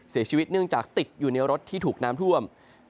เสียชีวิตเนื่องจากติดอยู่ในรถที่ถูกน้ำท่วม